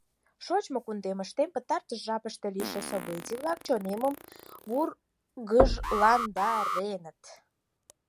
Шочмо кундемыштем пытартыш жапыште лийше событий-влак чонемым вургыжландареныт.